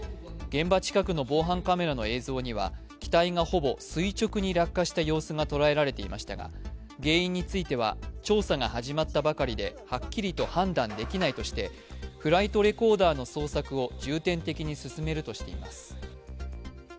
現場近くの防犯カメラの映像には、機体がほぼ垂直に落下した様子がとらえられていましたが、原因については調査が始まったばかりではっきりと判断できないとしてフライトレコーダーの捜索を重点的に進めるとしています。